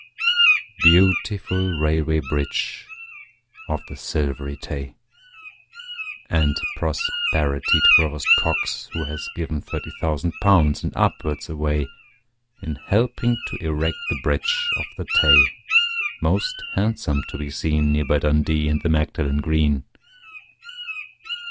Beautiful Railway Bridge of the Silvery Tay! And prosperity to Provost Cox, who has given Thirty thousand pounds and upwards away In helping to erect the Bridge of the Tay, Most handsome to be seen, Near by Dundee and the Magdalen Green.